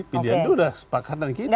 pilihan itu udah sepakat dengan kita